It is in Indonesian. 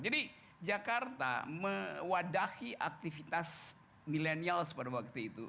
jadi jakarta mewadahi aktivitas milenial pada waktu itu